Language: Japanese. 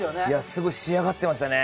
すごい、仕上がってましたね。